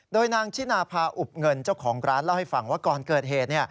โดยนางชินาภาอุบเงินเจ้าของร้านเล่าให้ฟังว่าก่อนเกิดเหตุ